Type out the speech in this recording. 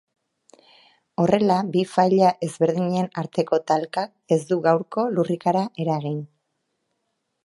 Horrela, bi faila ezberdinen arteko talkak ez du gaurko lurrikara eragin.